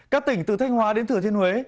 các tỉnh từ thanh hóa đến thừa thiên huế